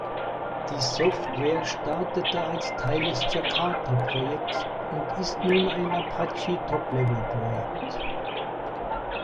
Die Software startete als Teil des Jakarta-Projekts und ist nun ein Apache-Top-Level-Projekt.